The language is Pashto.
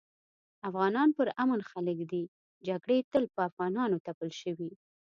افغانان پر امن خلک دي جګړي تل په افغانانو تپل شوي